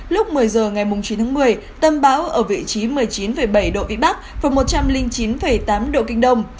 lúc một mươi giờ ngày chín một mươi tâm bão ở vị trí một mươi chín bảy độ vị bắc và một trăm linh chín tám độ kinh đông